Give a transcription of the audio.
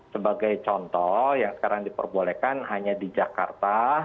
sebagai contoh yang sekarang diperbolehkan hanya di jakarta